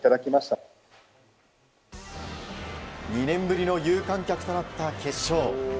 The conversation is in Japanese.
２年ぶりの有観客となった決勝。